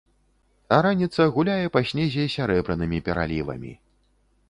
А раніца гуляе па снезе сярэбранымі пералівамі.